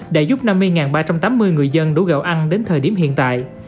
đã giúp năm mươi ba trăm tám mươi người dân đổ gạo ăn đến thời điểm hiện tại